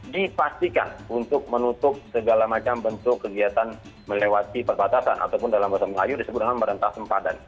dipastikan untuk menutup segala macam bentuk kegiatan melewati perbatasan ataupun dalam bahasa melayu disebut dengan merentah sempadan